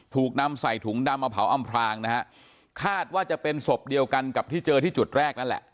ถูกนำใส่ถุงดำมาเผาอำพลางนะฮะคาดว่าจะเป็นศพเดียวกันกับที่เจอที่จุดแรกนั่นแหละ